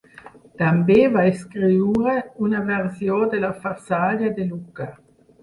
També va escriure una versió de la Farsàlia de Lucà.